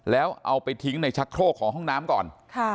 แล้วเอาไปทิ้งในชักโครกของห้องน้ำก่อน